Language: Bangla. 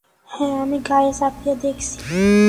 হ্যাঁ, আমি গায়ে চাপিয়ে দেখছি।